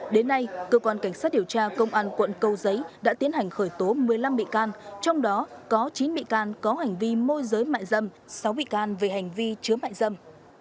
đến nay cơ quan cảnh sát điều tra công an quận câu giấy đã tiến hành khởi tố một mươi năm bị can trong đó có chín bị can có hành vi môi giới mại dâm sáu bị can về hành vi chứa mại dâm